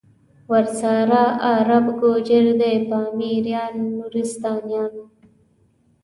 ورسره عرب، گوجر دی پامیریان، نورستانیان